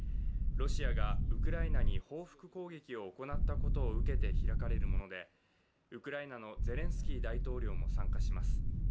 ロシアがウクライナに報復攻撃を行ったことを受けて開かれるものでウクライナのゼレンスキー大統領も参加します。